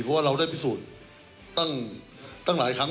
เพราะว่าเราได้พิสูจน์ตั้งหลายครั้ง